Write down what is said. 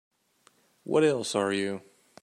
What else are you?